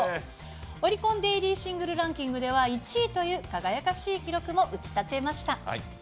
オリコンデイリーシングルランキングでは、１位という輝かしい記録を打ち立てました。